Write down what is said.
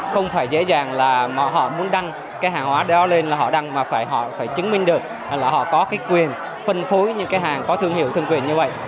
không phải dễ dàng là họ muốn đăng cái hàng hóa đó lên là họ đăng mà phải họ phải chứng minh được là họ có cái quyền phân phối những cái hàng có thương hiệu thân quyền như vậy